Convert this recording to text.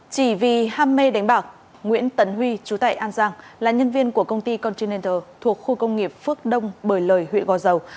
chỉ vì ham mê đánh bạc nguyễn tấn huy chú tại an giang là nhân viên của công ty continenter thuộc khu công nghiệp phước đông bời lời huyện gò dầu